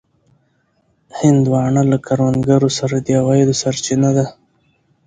هندوانه له کروندګرو سره د عوایدو سرچینه ده.